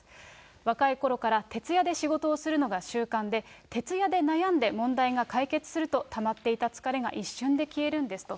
若いころから徹夜で仕事をするのが習慣で、徹夜で悩んで、問題が解決すると、たまっていた疲れが一瞬で消えるんですと。